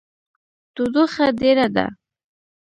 تودوخه ډیره ده